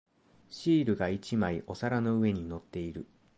シールが一枚お皿の上に乗っている。